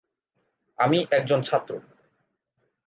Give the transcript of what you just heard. আমি একজন ছাত্র।